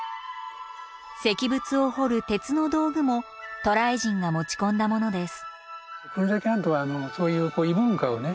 石仏を彫る鉄の道具も渡来人が持ち込んだものです。